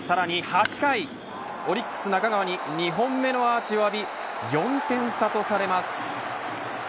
さらに８回オリックス中川に２本目のアーチを浴び４点差とされます。